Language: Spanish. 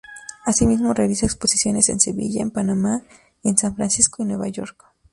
Asimismo realiza exposiciones en Sevilla, en Panamá, en San Francisco y Nueva York.